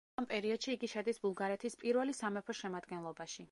ამ პერიოდში იგი შედის ბულგარეთის პირველი სამეფოს შემადგენლობაში.